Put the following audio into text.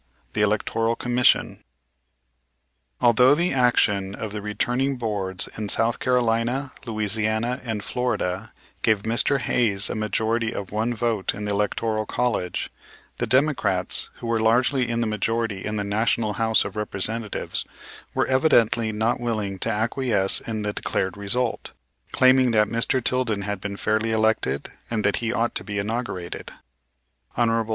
THE ELECTORAL COMMISSION Although the action of the returning boards in South Carolina, Louisiana, and Florida, gave Mr. Hayes a majority of one vote in the Electoral College, the Democrats, who were largely in the majority in the National House of Representatives, were evidently not willing to acquiesce in the declared result, claiming that Mr. Tilden had been fairly elected and that he ought to be inaugurated. Hon.